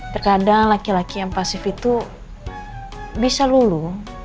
terkadang laki laki yang pasif itu bisa lulu